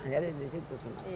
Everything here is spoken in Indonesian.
jadi di situ